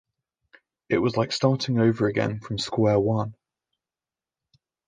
It was like starting over again from square one.